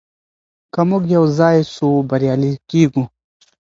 که موږ يو ځای سو بريالي کيږو.